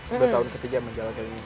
sudah tahun ketiga menjalankan ini